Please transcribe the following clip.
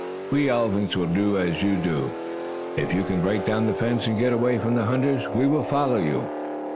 We elephants will do as you do. If you can break down the fence, and get away from the hunters, we will follow you."